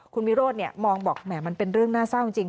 คุณวิโรธมองบอกแหมมันเป็นเรื่องน่าเศร้าจริง